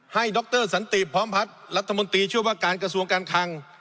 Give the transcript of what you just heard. ดรสันติพร้อมพัฒน์รัฐมนตรีช่วยว่าการกระทรวงการคัง